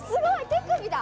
手首だ。